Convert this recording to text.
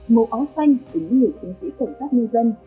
màu áo xanh của những người chiến sĩ cảnh sát nhân dân